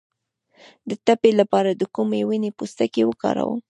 د تبې لپاره د کومې ونې پوستکی وکاروم؟